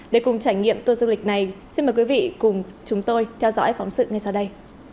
để cùng trải nghiệm tour du lịch này xin mời quý vị cùng chúng tôi theo dõi phóng sự ngay sau đây